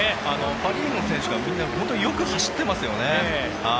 パ・リーグの選手がよく走っていますよね。